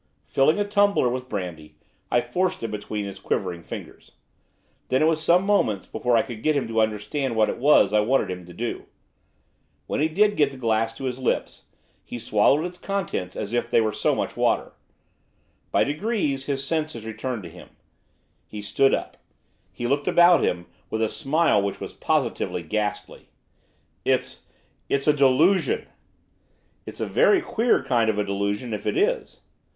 Filling a tumbler with brandy, I forced it between his quivering fingers. Then it was some moments before I could get him to understand what it was I wanted him to do. When he did get the glass to his lips, he swallowed its contents as if they were so much water. By degrees his senses returned to him. He stood up. He looked about him, with a smile which was positively ghastly. 'It's it's a delusion.' 'It's a very queer kind of a delusion, if it is.